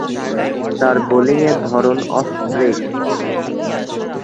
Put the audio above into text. তার বোলিংয়ের ধরন অফ ব্রেক।